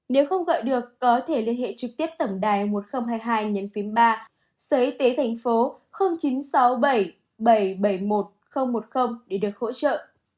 nếu không gọi được có thể liên hệ trực tiếp tầm đài một nghìn hai mươi hai ba chín trăm sáu mươi bảy bảy trăm bảy mươi một nghìn một mươi để được hỗ trợ